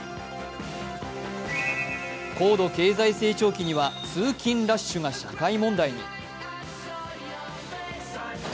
高度経済成長期には通勤ラッシュが社会問題に。